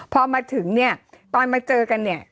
พอมาถึงเนี่ยตอนมาเจอกันเนี่ย